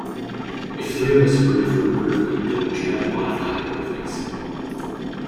If three of us agree for improvement, then we try to modify the graphics.